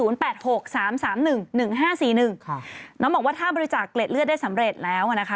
น้องบอกว่าถ้าบริจาคเกล็ดเลือดได้สำเร็จแล้วนะคะ